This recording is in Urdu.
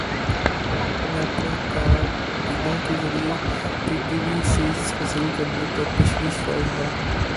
نیپرا کا بلوں کے ذریعے پی ٹی وی فیس وصول کرنے پر تشویش کا اظہار